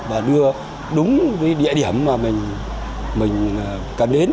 và đưa đúng địa điểm mà mình cần đến